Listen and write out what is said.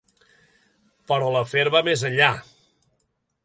Però l'afer va més enllà.